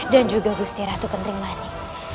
dan juga gusti ratu kenterimani